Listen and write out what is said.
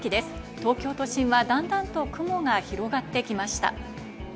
東京都心はだんだんと雲が広がってきました。